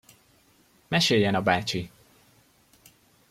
Meséljen a bácsi!